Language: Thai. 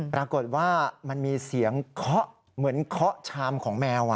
ปรากฏว่ามันมีเสียงเคาะเหมือนเคาะชามของแมว